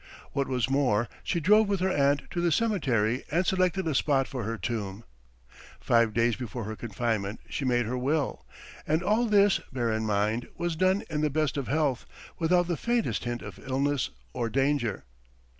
What was more she drove with her aunt to the cemetery and selected a spot for her tomb. Five days before her confinement she made her will. And all this, bear in mind, was done in the best of health, without the faintest hint of illness or danger.